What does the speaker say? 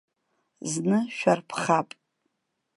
Зны шәарԥхап.